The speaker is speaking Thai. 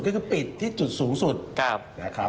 ก็คือปิดที่จุดสูงสุดนะครับ